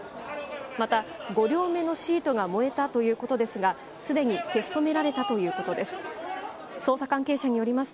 また、５両目のシートが燃えたということですが、すでに消し止められたということです。